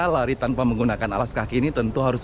lari tanpa menggunakan alas kaki ini tentu harus